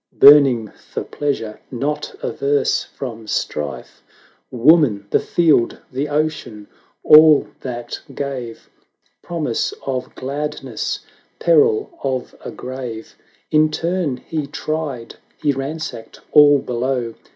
Burning for pleasure, not averse from strife ; Woman — the Field — the Ocean, all that gave Promise of gladness, peril of a grave. In turn he tried — he ransacked all below.